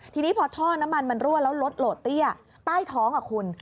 ทีนี้พอท่อน้ำมันมันรั่วแล้วรถโหลดเตี้ยใต้ท้องอ่ะคุณ